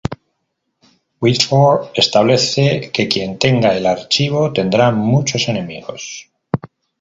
Whitford establece que quien tenga el archivo tendrá muchos enemigos.